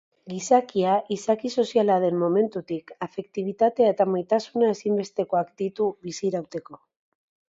Gizakia izaki soziala den momentutik, afektibitatea eta maitasuna ezibestekoak ditu bizirauteko.